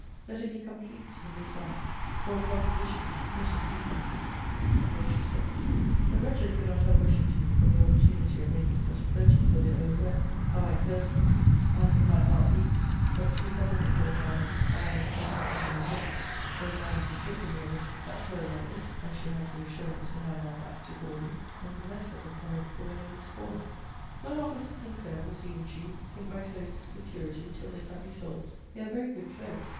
Let it be COMPLETE, in this life! For a composition, let it be COMPLETE.' And there she stopped. The wretches could not help wishing to me for the opportunity of making such a purchase for their own wear. How I cursed them! and, in my heart, thee! But too probable, thought I, that this vile Sally Martin may hope, [though thou art incapable of it,] that her Lovelace, as she has the assurance, behind thy back, to call thee, may present her with some of the poor lady's spoils! Will not Mrs. Sinclair, proceeded she, think my clothes a security, till they can be sold? They are very good clothes.